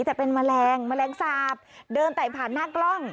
แต่เป็นแมลงแมลงสาปเดินไต่ผ่านหน้ากล้อง